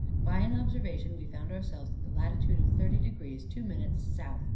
By an observation we found ourselves in the latitude of 30 degrees 2 minutes south.